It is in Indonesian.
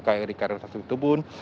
kri kri sasutubun